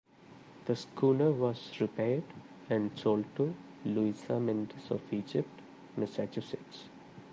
The schooner was repaired and sold to Louisa Mendes of Egypt, Massachusetts.